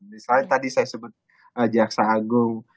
misalnya tadi saya sebut jaksa agung